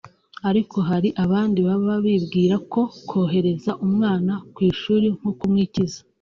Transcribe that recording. ariko hari abandi baba bibwira ko kohereza umwana ku ishuri nko kumwikiza”